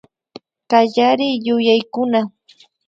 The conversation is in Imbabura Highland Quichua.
Kallariyuyaykuna